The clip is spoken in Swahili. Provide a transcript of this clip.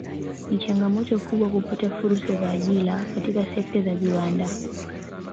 Ni changamoto kubwa kupata fursa za ajira katika sekta za viwanda